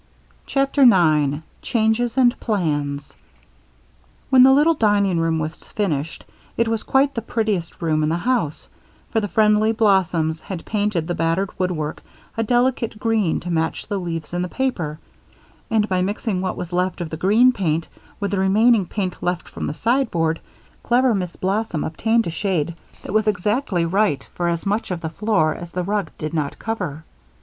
CHAPTER 9 Changes and Plans When the little dining room was finished it was quite the prettiest room in the house, for the friendly Blossoms had painted the battered woodwork a delicate green to match the leaves in the paper; and by mixing what was left of the green paint with the remaining color left from the sideboard, clever Miss Blossom obtained a shade that was exactly right for as much of the floor as the rug did not cover.